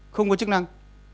không có chức năng